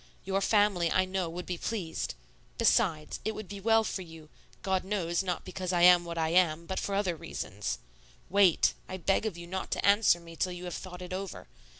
Your family, I know, would be pleased. Besides, it would be well for you God knows, not because I am what I am, but for other reasons. Wait. I beg of you not to answer me till you have thought it over.